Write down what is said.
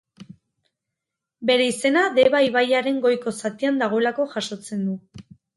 Bere izena Deba ibaiaren goiko zatian dagoelako jasotzen du.